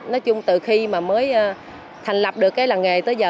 nói chung từ khi mới thành lập được cái làm nghề tới giờ